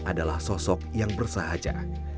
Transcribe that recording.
adalah sosok yang bersahaja